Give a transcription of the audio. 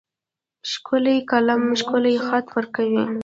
ښکلی قلم ښکلی خط ورکوي.